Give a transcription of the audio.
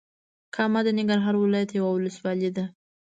کامه د ننګرهار ولايت یوه ولسوالې ده.